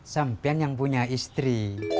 sampian yang punya istri